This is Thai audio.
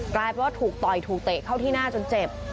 กลายเป็นว่าถูกต่อยถูกเตะเข้าที่หน้าจนเจ็บ